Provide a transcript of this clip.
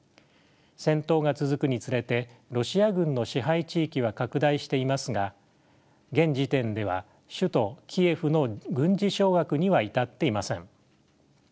戦闘が続くにつれてロシア軍の支配地域は拡大していますが現時点では首都キエフの軍事掌握には至っていません。